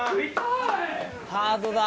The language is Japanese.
ハードだ。